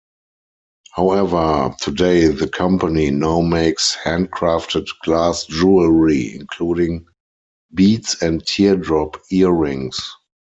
However, today the company now makes handcrafted glass jewelry; including beads and Teardrop earrings.